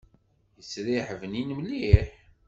Yettriḥ bnin mliḥ.